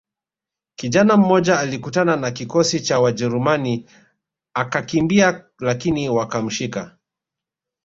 Kijana mmoja alikutana na kikosi cha wajerumani akakimbia lakini wakamshika